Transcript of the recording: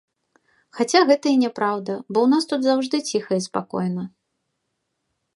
Хаця гэта і няпраўда, бо ў нас тут заўжды ціха і спакойна.